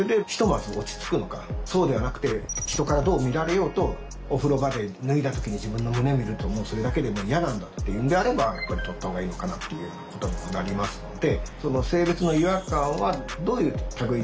そうではなくて人からどう見られようとお風呂場で脱いだ時に自分の胸を見るともうそれだけでもう嫌なんだっていうんであればやっぱりとった方がいいのかなっていうようなことにもなりますので。